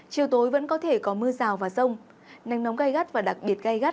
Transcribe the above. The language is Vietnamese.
chiều tối vẫn có thể có mưa rào và rông nắng nóng gây gắt và đặc biệt gây gắt